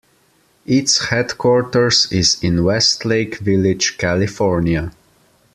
Its headquarters is in Westlake Village, California.